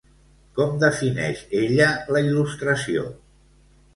Com defineix ella la il·lustració?